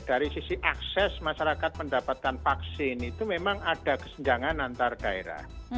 dari sisi akses masyarakat mendapatkan vaksin itu memang ada kesenjangan antar daerah